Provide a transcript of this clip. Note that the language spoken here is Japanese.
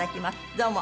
どうも。